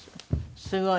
すごい。